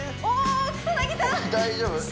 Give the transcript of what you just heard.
大丈夫？